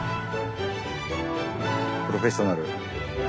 プロフェッショナル。